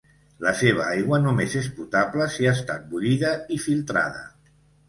La seva aigua només és potable si ha estat bullida i filtrada.